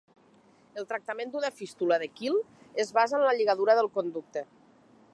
El tractament d'una fístula de quil es basa en la lligadura del conducte.